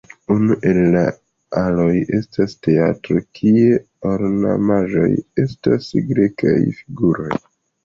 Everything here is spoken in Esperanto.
Unu el la aloj estas teatro, kie la ornamaĵoj estas grekaj figuroj.